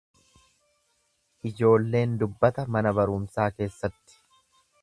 Ijoolleen dubbata mana barumsaa keessatti.